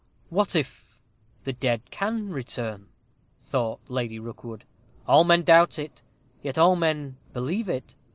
"What if the dead can return?" thought Lady Rookwood. "All men doubt it, yet all men believe it.